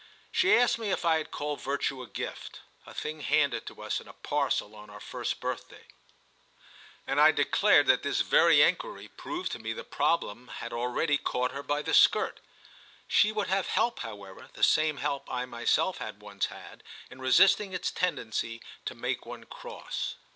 She asked me if I called virtue a gift—a thing handed to us in a parcel on our first birthday; and I declared that this very enquiry proved to me the problem had already caught her by the skirt. She would have help however, the same help I myself had once had, in resisting its tendency to make one cross.